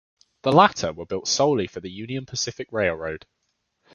The latter were built solely for the Union Pacific Railroad.